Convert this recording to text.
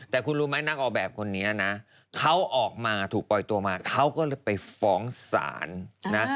แต่คุณรู้ไหมนักออกแบบคนนี้นะเขาออกมาถูกปล่อยตัวมาเขาก็เลยไปฟ้องศาลนะ